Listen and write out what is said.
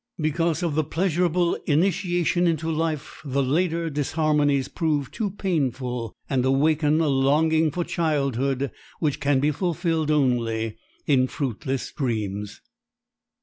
Because of the pleasureable initiation into life the later disharmonies prove too painful and awaken a longing for childhood which can be fulfilled only in fruitless dreams!